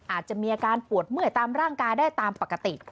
อาจจะมีอาการปวดเมื่อยตามร่างกายได้ตามปกติ